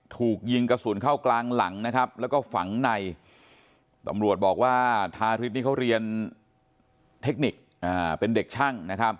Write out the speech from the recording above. ถูกยิงกระสุนเข้ากลางหลังและฝังในตำรวจบอกว่าธาริสเรียนเทคนิคเป็นเด็กช่าง